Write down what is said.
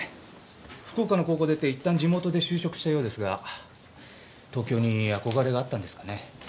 福岡の高校を出て一旦地元で就職したようですが東京に憧れがあったんですかね。